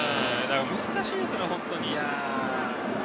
難しいですよね、本当に。